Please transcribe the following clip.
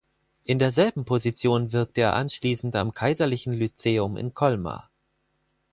In derselben Position wirkte er anschließend am Kaiserlichen Lyzeum in Colmar.